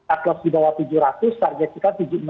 aklos di bawah tujuh ratus target kita